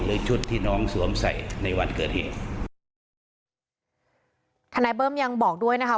ชุดที่น้องสวมใส่ในวันเกิดเหตุทนายเบิ้มยังบอกด้วยนะคะ